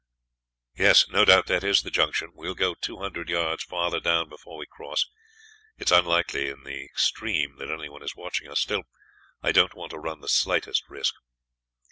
"Yes, no doubt that is the junction. We will go two hundred yards farther down before we cross; it is unlikely in the extreme that anyone is watching us, still I don't want to run the slightest risk."